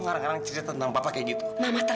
gak tau tuh gak liat